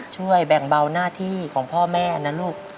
ช่วยแบ่งเบาหน้าที่ของพ่อแม่นะลูก